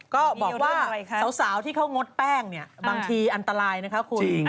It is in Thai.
ก็บอกว่าสาวที่เขางดแป้งเนี่ยบางทีอันตรายนะคะคุณ